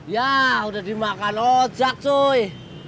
ya udah dimakan ojak suy